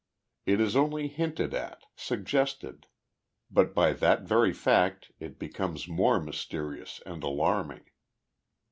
It is only hinted at, suggested, but by that very fact it becomes more mysterious and alarming.